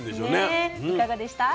いかがでしたか？